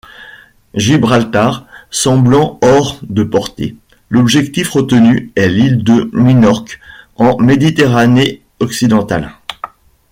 Gibraltar semblant hors de portée, l’objectif retenu est l’île de Minorque, en Méditerranée occidentale.